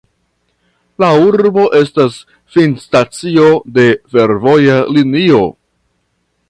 La urbo estas finstacio de fervoja linio.